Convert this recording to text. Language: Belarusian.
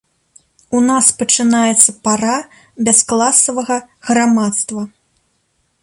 У нас пачынаецца пара бяскласавага грамадства.